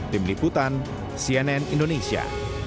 tim liputan cnn indonesia